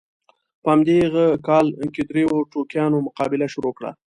په همدغه کال کې دریو ټوکیانو مقابله شروع کړه.